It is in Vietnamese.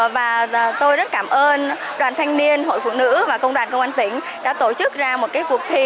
và tôi rất cảm ơn đoàn thanh niên hội phụ nữ và công đoàn công an tỉnh đã tổ chức ra một cuộc thi